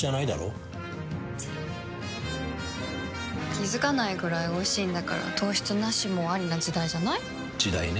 気付かないくらいおいしいんだから糖質ナシもアリな時代じゃない？時代ね。